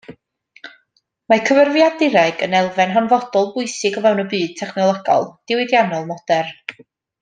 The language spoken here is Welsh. Mae cyfrifiadureg yn elfen hanfodol bwysig o fewn y byd technolegol, diwydiannol modern.